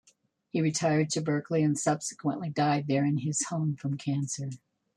He retired to Berkeley and subsequently died there in his home from cancer.